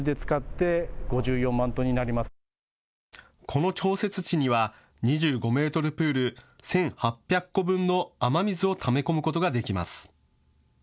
この調節池には２５メートルプール１８００個分の雨水をため込むことができます。